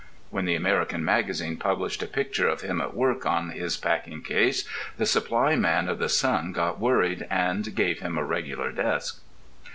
(When the American Magazine published a picture of him at work on his packing case the supply man of the Sun got worried, and gave him a regular desk.)